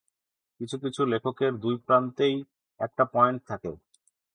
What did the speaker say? কিছু কিছু লেখকের দুই প্রান্তেই একটা পয়েন্ট থাকে।